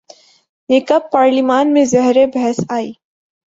یہ کب پارلیمان میں زیر بحث آئی؟